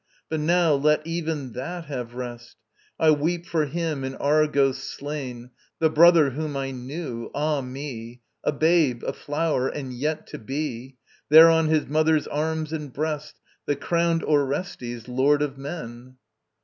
But now, let even that have rest: I weep for him in Argos slain, The brother whom I knew, Ah me, A babe, a flower; and yet to be There on his mother's arms and breast The crowned Orestes, lord of men!